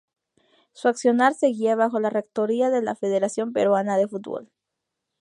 Su accionar se guía bajo la rectoría de la Federación Peruana de Fútbol.